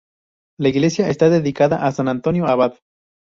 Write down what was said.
La iglesia está dedicada a san Antonio Abad.